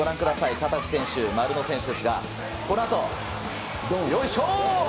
タタフ選手、〇の選手ですが、このあと、よいしょ！